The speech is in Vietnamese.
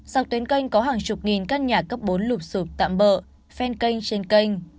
dọc tuyến kênh có hàng chục nghìn căn nhà cấp bốn lụp sụp tạm bỡ phen kênh trên kênh